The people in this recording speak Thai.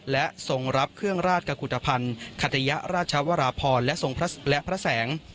และทรงรับเครื่องราชกุฏภัณฑ์คัตยราชวราพรและทรงและพระแสง